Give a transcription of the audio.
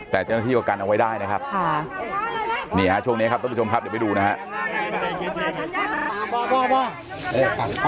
แต่เจ้าหน้าที่ก็กันเอาไว้ได้นะครับนี่ฮะช่วงนี้ครับท่านผู้ชมครับเดี๋ยวไปดูนะฮะ